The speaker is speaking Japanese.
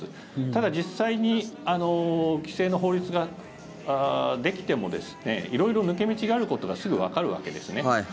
ただ、実際に規制の法律ができても色々抜け道があることがすぐわかるわけですね。